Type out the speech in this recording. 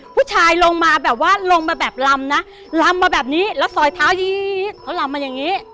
ผู้ชายลงมาแบบว่าลงมาแบบลำนะลำมาแบบนี้แล้วซอยเท้ายี๊ดเขาลำมาอย่างนี้